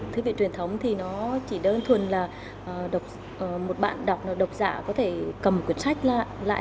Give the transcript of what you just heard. thư viện truyền thống thì nó chỉ đơn thuần là một bạn đọc đọc giả có thể cầm một quyển sách lại